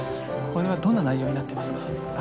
これはどんな内容になっていますか。